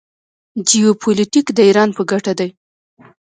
جیوپولیټیک د ایران په ګټه دی.